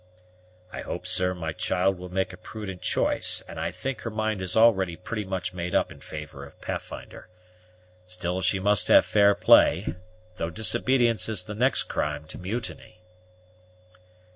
"I hope, sir, my child will make a prudent choice, and I think her mind is already pretty much made up in favor of Pathfinder. Still she shall have fair play, though disobedience is the next crime to mutiny."